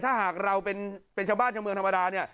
ถ้าหากเราเป็นชาวบ้านชาวเมืองธรรมดาเนี่ย